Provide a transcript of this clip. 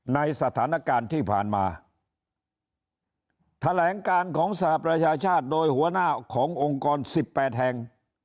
ในสถานการณ์ที่ผ่านมาแถลงการของสหประชาชาติโดยหัวหน้าขององค์กรสิบแปดแห่ง